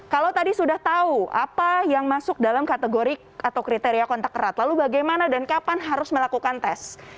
kalau tadi sudah tahu apa yang masuk dalam kategori atau kriteria kontak erat lalu bagaimana dan kapan harus melakukan tes